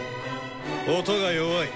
音が弱い。